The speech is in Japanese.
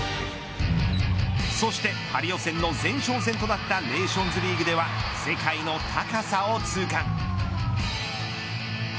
そして、パリ予選の前哨戦となったネーションズリーグでは世界の高さを痛感。